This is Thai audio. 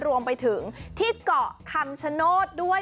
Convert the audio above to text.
รวมไปถึงที่เกาะคำชโนธด้วย